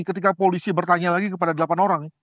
ketika polisi bertanya lagi kepada delapan orang